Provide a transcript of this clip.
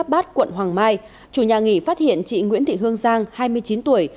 bắt cuộn hoàng mai chủ nhà nghỉ phát hiện chị nguyễn thị hương giang hai mươi chín tuổi